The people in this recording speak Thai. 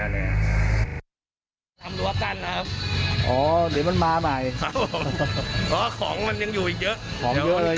อ๋อเนี่ยมาแล้วเนี่ย